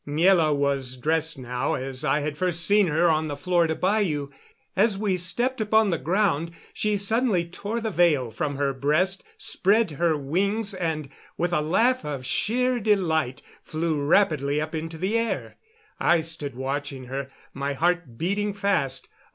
Miela was dressed now as I had first seen her on the Florida bayou. As we stepped upon the ground she suddenly tore the veil from her breast, spread her wings, and, with a laugh of sheer delight, flew rapidly up into the air. I stood watching her, my heart beating fast.